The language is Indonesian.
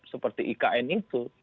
seperti ikn itu